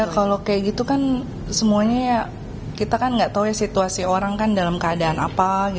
kalau kayak gitu kan semuanya kita nggak tahu situasi orang dalam keadaan apa